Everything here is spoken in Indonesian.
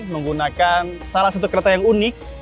menggunakan salah satu kereta yang unik